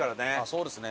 そうですね。